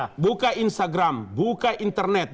coba lihat buka instagram buka internet